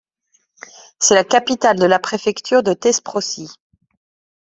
C'est la capitale de la préfecture de Thesprotie.